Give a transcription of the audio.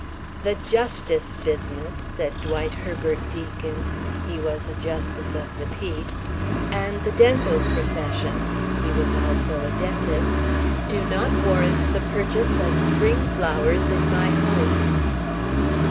"The justice business " said Dwight Herbert Deacon he was a justice of the peace "and the dental profession " he was also a dentist "do not warrant the purchase of spring flowers in my home."